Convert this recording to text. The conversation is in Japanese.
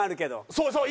そうそう。